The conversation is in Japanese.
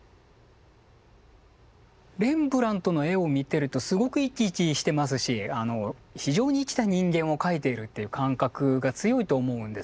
レンブラントの絵を見てるとすごく生き生きしてますし非常に生きた人間を描いているっていう感覚が強いと思うんですよね。